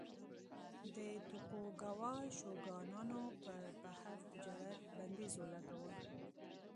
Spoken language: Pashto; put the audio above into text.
د توکوګاوا شوګانانو پر بهر تجارت بندیز ولګاوه.